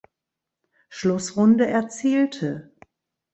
Schlussrunde erzielte.